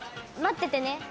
待っててね。